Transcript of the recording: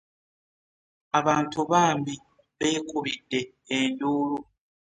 Abantu bambi beekubidde enduulu.